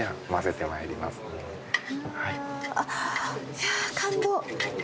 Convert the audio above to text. いやあ感動！